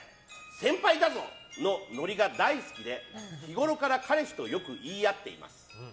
先輩だぞのノリが大好きで日ごろから彼氏とよく言い合っています。